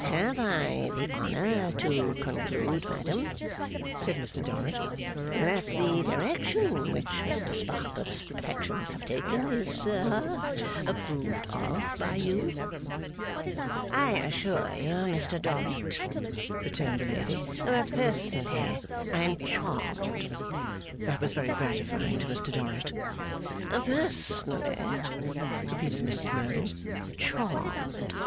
'Have I the honour to conclude, madam,' said Mr Dorrit, 'that the direction which Mr Sparkler's affections have taken, is ha approved of by you?' 'I assure you, Mr Dorrit,' returned the lady, 'that, personally, I am charmed.' That was very gratifying to Mr Dorrit. 'Personally,' repeated Mrs Merdle, 'charmed.